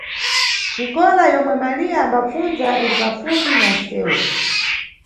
Xikola yomwe Maliya ambapfundza iri pafupi na nʼsewu.